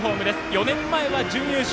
４年前は準優勝。